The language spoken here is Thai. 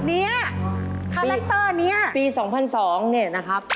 เนี่ยคาแรคเตอร์นี้ปี๒๐๐๒เนี่ยนะครับ